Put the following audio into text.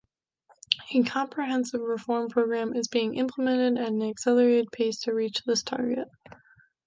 A comprehensive reform program is being implemented at an accelerated pace to reach this target.